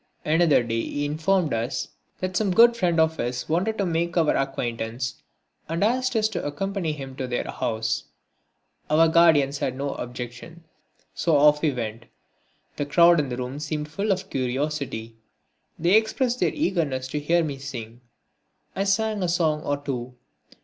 Another day he informed us that some good friends of his wanted to make our acquaintance and asked us to accompany him to their house. Our guardians had no objection, so off we went. The crowd in the room seemed full of curiosity. They expressed their eagerness to hear me sing. I sang a song or two.